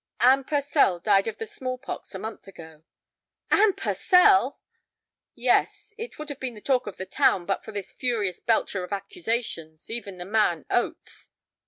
"Anne Purcell died of the small pox a month ago." "Anne Purcell!" "Yes; it would have been the talk of the town but for this furious belcher of accusations, even the man Oates."